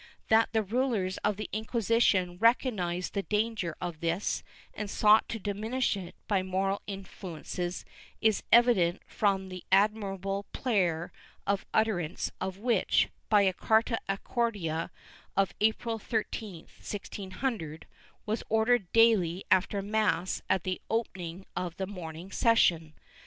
That the rulers of the Inquisition recognized the danger of this and sought to diminish it by moral influences is evident from the admirable prayer the utterance of which, by a carta acordada of April 13, IGOO, was ordered daily after mass at the opening of the morning session.